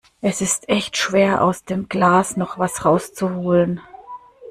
Es ist echt schwer, aus dem Glas noch was rauszuholen.